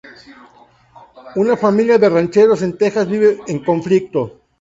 Una familia de rancheros en Texas vive en conflicto.